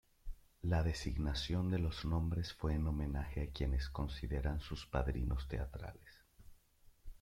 La designación de los nombres fue en homenaje a quienes consideran sus padrinos teatrales.